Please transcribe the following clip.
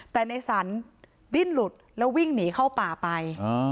แต่ในสรรดิ้นหลุดแล้ววิ่งหนีเข้าป่าไป